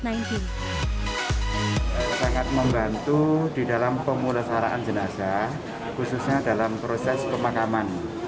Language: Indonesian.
sangat membantu di dalam pemulasaran jenazah khususnya dalam proses pemakaman